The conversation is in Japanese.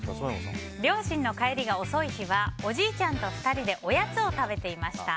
両親の帰りが遅い日はおじいちゃんと２人でおやつを食べていました。